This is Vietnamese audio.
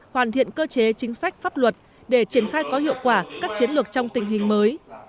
hoàn thiện cơ chế chính sách pháp luật để triển khai có hiệu quả các chiến lược trong tình hình mới